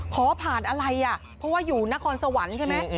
ขอผ่านอะไรอ่ะเพราะว่าอยู่นครสวรรค์ใช่ไหม